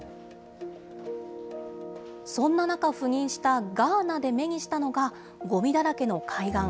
そんな中、赴任したガーナで目にしたのが、ごみだらけの海岸。